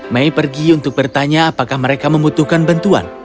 mei pergi untuk bertanya apakah mereka membutuhkan bantuan